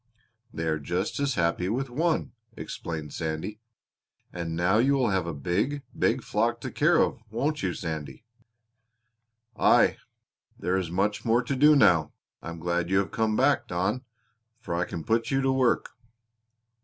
They are just as happy with one," explained Sandy. "And now you will have a big, big flock to take care of, won't you, Sandy?" "Aye! There is much more to do now. I am glad you have come back, Don, for I can put you to work."